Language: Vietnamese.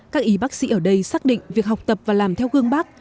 các y bác sĩ ở đây xác định việc học tập và làm theo gương bác